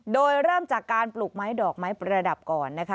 โดยเริ่มจากการปลูกไม้ดอกไม้ประดับก่อนนะคะ